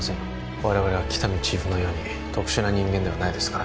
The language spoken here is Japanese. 我々は喜多見チーフのように特殊な人間ではないですから